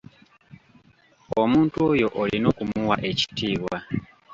Omuntu oyo olina okumuwa ekitiibwa.